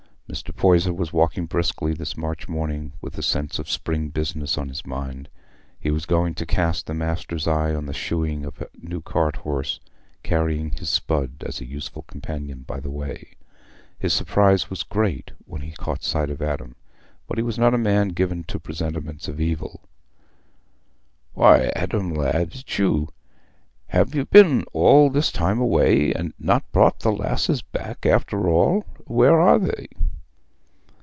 Mr. Poyser was walking briskly this March morning, with a sense of spring business on his mind: he was going to cast the master's eye on the shoeing of a new cart horse, carrying his spud as a useful companion by the way. His surprise was great when he caught sight of Adam, but he was not a man given to presentiments of evil. "Why, Adam, lad, is't you? Have ye been all this time away and not brought the lasses back, after all? Where are they?"